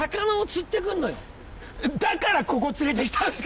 だからここ連れて来たんすか？